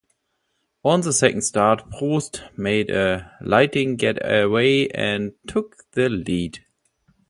On the second start, Prost made a lightning get away and took the lead.